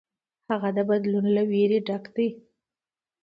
هغه د بدلون له ویرې ډک دی.